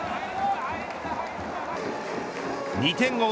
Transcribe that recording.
２点を追う